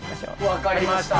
分かりました。